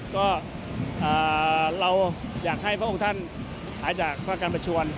ก็เราอยากให้พระองค์ท่านหายจากพระการประชวน